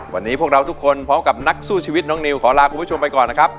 วันนี้พวกเราทุกคนพร้อมกับนักสู้ชีวิตน้องนิวขอลาคุณผู้ชมไปก่อนนะครับ